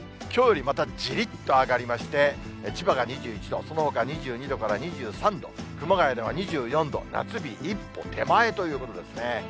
きょうよりまたじりっと上がりまして、千葉が２１度、そのほかが２２度から２３度、熊谷では２４度、夏日一歩手前ということですね。